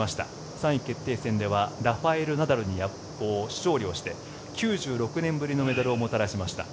３位決定戦ではラファエル・ナダルに勝利をして９６年ぶりのメダルをもたらしました。